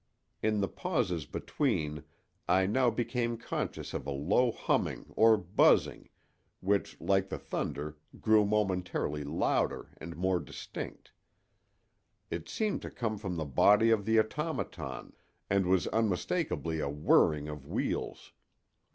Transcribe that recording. In the pauses between I now became conscious of a low humming or buzzing which, like the thunder, grew momentarily louder and more distinct. It seemed to come from the body of the automaton, and was unmistakably a whirring of wheels.